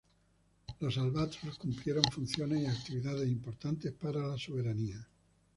Los Albatross cumplieron funciones y actividades importantes para la soberanía.